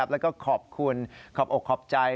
แล้วก็ขอบคุณขอบอกขอบใจ